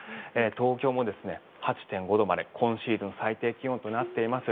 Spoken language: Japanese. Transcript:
東京も８．５度まで今シーズン最低気温となっています。